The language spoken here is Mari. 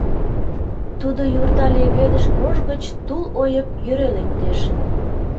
Тудо юрта леведыш рож гыч тул ойып йӧре лектеш.